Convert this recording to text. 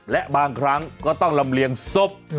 และบางครั้งก็ต้องลำเลียงศพ